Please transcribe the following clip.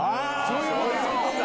そういうことか！